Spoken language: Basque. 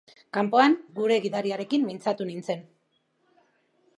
Kanpoan, gure gidariarekin mintzatu nintzen.